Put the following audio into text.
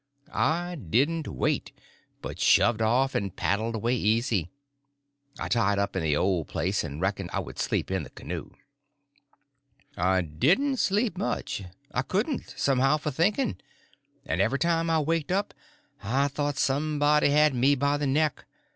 I didn't wait, but shoved out and paddled away easy. I tied up in the old place, and reckoned I would sleep in the canoe. I didn't sleep much. I couldn't, somehow, for thinking. And every time I waked up I thought somebody had me by the neck.